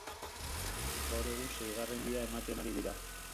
Gaur egun seigarren denboraldia ematen ari dira.